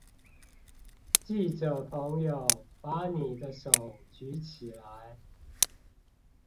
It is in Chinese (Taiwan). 記者朋友，把你的手舉起來